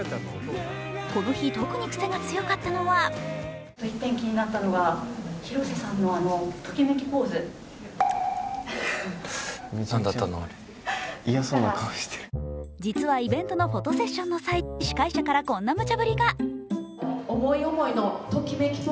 この日、特にくせが強かったのは実はイベントのフォトセッションの際、司会者からこんなむちゃぶりが。